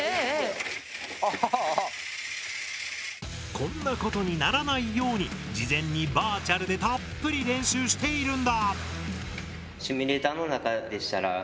こんなことにならないように事前にバーチャルでたっぷり練習しているんだ。